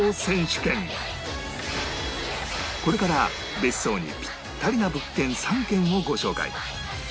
これから別荘にピッタリな物件３軒をご紹介